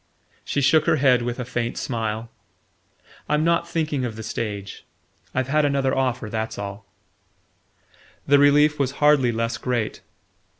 She shook her head with a faint smile. "I'm not thinking of the stage. I've had another offer: that's all." The relief was hardly less great.